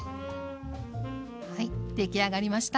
はい出来上がりました。